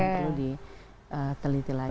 biar perlu diteliti lagi